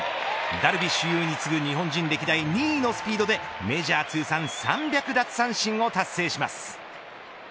ダルビッシュ有に次ぐ日本人歴代２位のスピードでメジャー通算３００奪三振を達成します。